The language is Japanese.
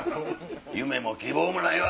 「夢も希望もないわ！」